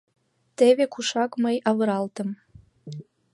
Теве кушак мый авыралтым.